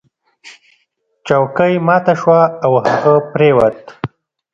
چوکۍ ماته شوه او هغه پریوت.